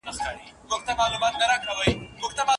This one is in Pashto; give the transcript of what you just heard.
که درناوی ونکړئ نو احترام به ونه وينئ.